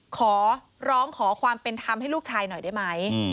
ขอร้องขอความเป็นธรรมให้ลูกชายหน่อยได้ไหม